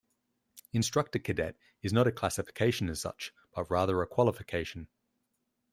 Instructor Cadet is not a classification as such, but rather a qualification.